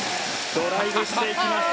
ドライブしていきました。